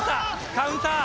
カウンター！